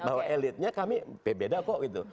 bahwa elitnya kami beda kok gitu